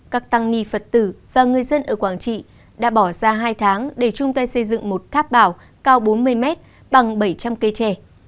các tăng ni phật tử và người dân ở quảng trị đã bỏ ra hai tháng để chung tay xây dựng một tháp bào cao bốn mươi mét bằng bảy trăm linh cây tre